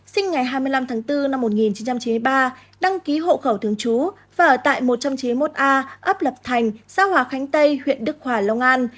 sinh ngày hai mươi năm tháng bốn năm một nghìn chín trăm chín mươi ba đăng ký hộ khẩu thường trú và ở tại một trăm chín mươi một a ấp lập thành xã hòa khánh tây huyện đức hòa long an